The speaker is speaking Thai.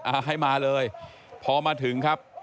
ให้มาเลยพอมาถึงครับ